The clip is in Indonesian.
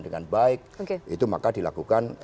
dengan baik itu maka dilakukan